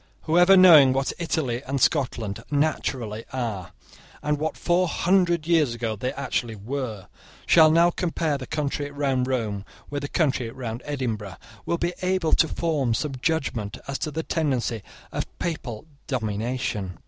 Whoever, knowing what Italy and Scotland naturally are, and what, four hundred years ago, they actually were, shall now compare the country round Rome with the country round Edinburgh, will be able to form some judgment as to the tendency of Papal domination.